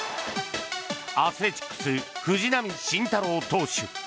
アスレチックス藤浪晋太郎投手。